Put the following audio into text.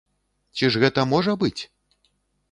Ці ж гэта можа быць?